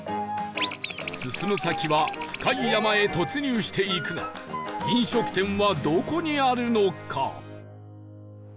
進む先は深い山へ突入していくが飲食店はどこにあるのか？